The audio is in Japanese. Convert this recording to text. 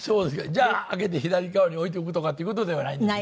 じゃあ開けて左側に置いておくとかっていう事ではないんですね。